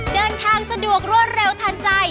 เดินทางสะดวกรวดเร็วทันใจ